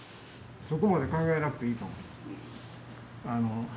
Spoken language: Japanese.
そこまで考えなくていいと思う。